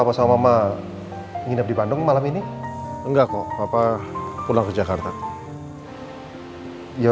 wassalamualaikum wr wb